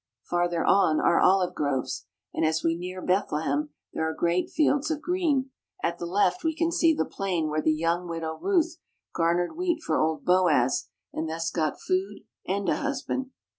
Farther on are olive groves, and as we near Beth lehem there are great fields of green. At the left we can see the plain where the young widow Ruth garnered wheat for old Boaz and thus got food and a husband.